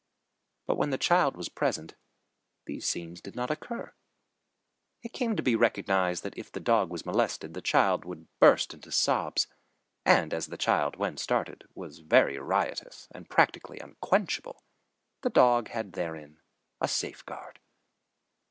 But when the child was present these scenes did not occur. It came to be recognized that if the dog was molested, the child would burst into sobs, and as the child, when started, was very riotous and practically unquenchable, the dog had therein a safeguard.